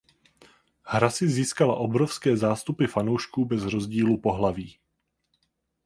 Hra si získala obrovské zástupy fanoušků bez rozdílu pohlaví.